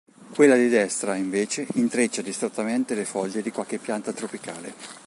Quella di destra, invece, intreccia distrattamente le foglie di qualche pianta tropicale.